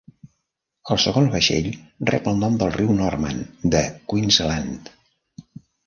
El segon vaixell rep el nom del riu Norman de Queensland.